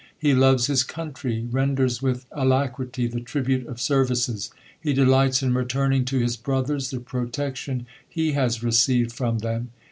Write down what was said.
He loves his country ; renders with alacrity the tribute of services ; he delights in return ing to his brothers the protection he has received from them.